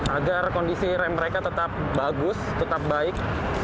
agar kondisi rem mereka tetap bagus tetap baik